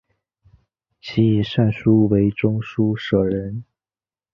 其以善书为中书舍人。